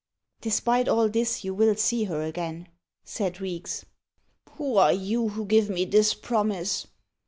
"Despite all this, you will see her again," said Reeks. "Who are you who give me this promise?"